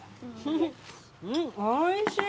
おいしい。